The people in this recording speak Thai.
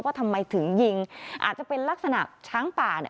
ว่าทำไมถึงยิงอาจจะเป็นลักษณะช้างป่า